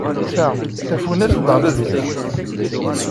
Ta d tafunast neɣ d azger?